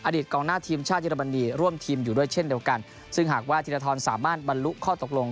กองหน้าทีมชาติเยอรมนีร่วมทีมอยู่ด้วยเช่นเดียวกันซึ่งหากว่าธีรทรสามารถบรรลุข้อตกลง